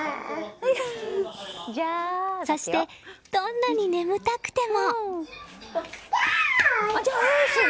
そして、どんなに眠たくても。